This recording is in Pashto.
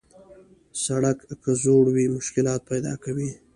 سړک که زوړ وي، مشکلات پیدا کوي.